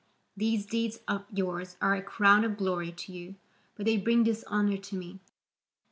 These deeds of yours are a crown of glory to you; but they bring dishonour to me.